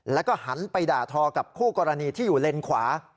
แล้วก็หันไปด่าทอกับคู่กรณีที่อยู่เลนขวา